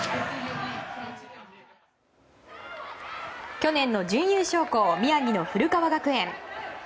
去年の準優勝校宮城の古川学園。